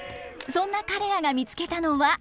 そんな彼らが見つけたのは。